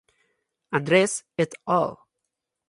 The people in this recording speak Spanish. Andres "et al".